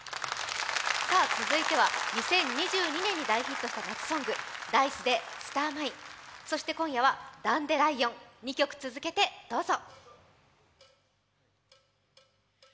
続いては２０２２年に大ヒットした夏ソングＤａ−ｉＣＥで「スターマイン」そして今夜は「ダンデライオン」、２曲続けてどうぞ。